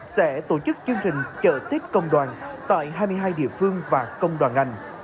sẽ tổ chức chương trình chợ tết công đoàn tại hai mươi hai địa phương và công đoàn ngành